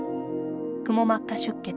くも膜下出血。